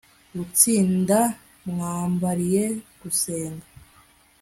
gutsinda mwambariye gusenga